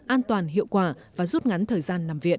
an toàn hiệu quả và rút ngắn thời gian nằm viện